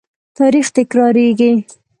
تاریخ تکراریږي